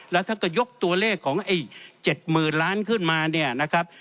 แล้วท่านก็ยกตัวเลขของไอ้๗๐๐๐ล้านขึ้นมาเนี่ยนะครับ